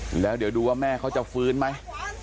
แล้วเดี๋ยวดูว่าแม่เขาจะฟื้นไหม